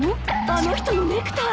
あの人のネクタイ！